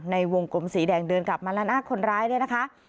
ในวงกลมสีแดงเดินกลับมาแล้วนะคนร้ายเนี่ยนะคะ